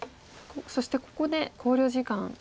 そしてここで考慮時間ですね。